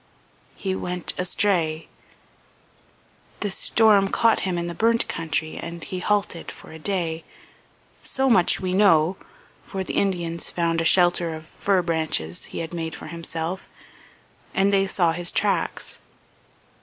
"He went astray ... The storm caught him in the burnt country and he halted for a day. So much we know, for the Indians found a shelter of fir branches he had made for himself, and they saw his tracks.